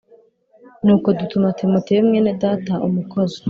Nuko dutuma Timoteyo mwene Data umukozi